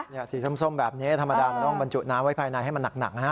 สีส้มแบบนี้ธรรมดามันต้องบรรจุน้ำไว้ภายในให้มันหนักนะฮะ